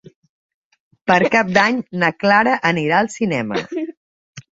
Per Cap d'Any na Clara anirà al cinema.